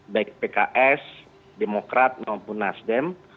baik pks demokrat maupun nasdem